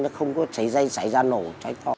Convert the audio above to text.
nó không có cháy dây cháy ra nổ cháy tho